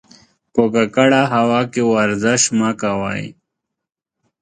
په ککړه هوا کې ورزش مه کوئ.